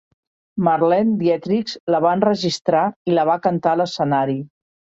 Marlene Dietrich la va enregistrar i la va cantar a l'escenari.